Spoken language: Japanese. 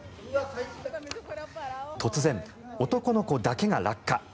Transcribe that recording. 突然、男の子だけが落下。